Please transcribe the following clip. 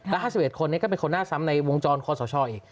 แล้ว๕๑คนนี้ก็เป็นคนน่าซ้ำในวงจรศัพท์คอสชอีก